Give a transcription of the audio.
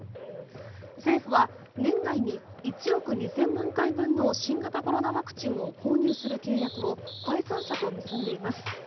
政府は年内に１億２０００万回分の新型コロナワクチンを購入する契約をファイザー社と結んでいます。